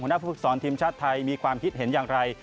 หน้าผู้ฝึกศรทีมชาติไทยมีความคิดเห็นอย่างไร